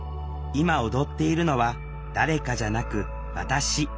今踊っているのは誰かじゃなく私。